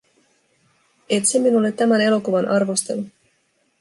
Etsi minulle tämän elokuvan arvostelu.